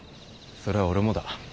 それは俺もだ。